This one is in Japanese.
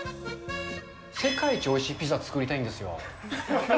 世界一おいしいピザ作りたいんですよ。